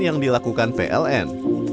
yang dilakukan pln